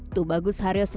tubagus harios lansir